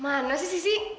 mana sih sisi